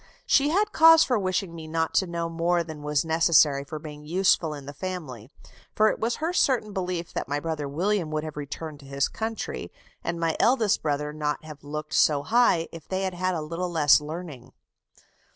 She had cause for wishing me not to know more than was necessary for being useful in the family; for it was her certain belief that my brother William would have returned to his country, and my eldest brother not have looked so high, if they had had a little less learning."